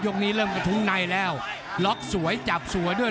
นี้เริ่มกระทุ้งในแล้วล็อกสวยจับสวยด้วย